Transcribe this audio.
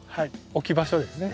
置き場所ですね